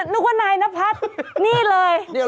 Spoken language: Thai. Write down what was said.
นึกว่านายนพัฒน์นี่เลย